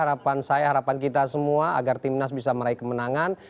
dan saya harapan kita semua agar timnas bisa meraih kemenangan